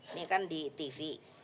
ini kan di tv